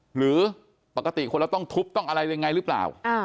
หรือปกติคนเราต้องทุบต้องอะไรยังไงหรือเปล่า